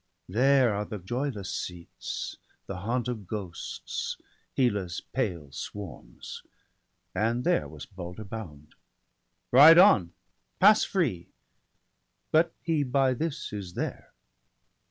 There are the joyless seats, the haunt of ghosts, Hela's pale swarms ; and there was Balder bound. Ride on ! pass free ! but he by this is there.'